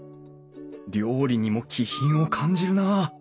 料理にも気品を感じるなあ。